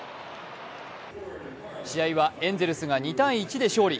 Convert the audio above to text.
試合はエンゼルスが２−１で勝利。